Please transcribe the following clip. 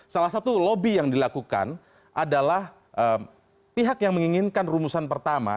salah satu lobby yang dilakukan adalah pihak yang menginginkan rumusan pertama